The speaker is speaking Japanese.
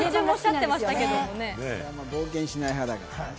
あんまり冒険しない派だからね。